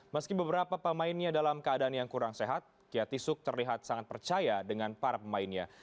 meski beberapa pemainnya dalam keadaan yang kurang sehat kiatisuk terlihat sangat percaya dengan para pemainnya